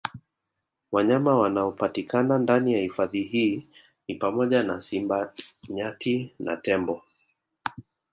Wanyama wanaopatikana ndani ya hifadhi hii ni pamoja na Simba Nyati na Tembo